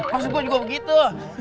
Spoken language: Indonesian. maksud gua juga begitu